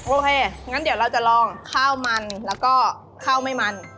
โอเคงั้นเดี๋ยวเราจะลองข้าวมันแล้วก็ข้าวไม่มัน